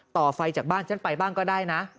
ต่อไฟจากบ้านฉันไปบ้างก็ได้นะ